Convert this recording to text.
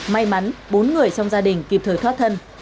may mắn bốn người trong gia đình kịp thời thoát thân